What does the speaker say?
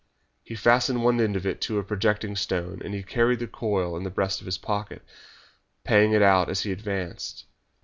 He fastened one end of it to a projecting stone and he carried the coil in the breast of his coat, paying it out as he advanced.